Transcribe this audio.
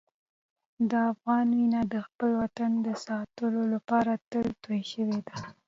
د افغان وینه د خپل وطن د ساتلو لپاره تل تویې شوې ده.